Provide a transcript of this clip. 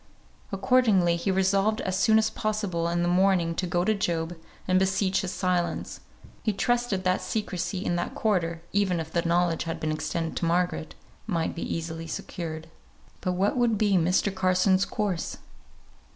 Accordingly he resolved as soon as possible in the morning to go to Job and beseech his silence; he trusted that secrecy in that quarter, even if the knowledge had been extended to Margaret, might be easily secured. But what would be Mr. Carson's course?